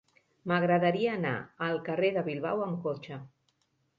M'agradaria anar al carrer de Bilbao amb cotxe.